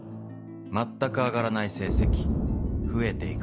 全く上がらない成績増えて行く